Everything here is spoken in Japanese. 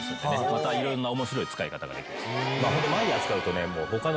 また色んな面白い使い方があります。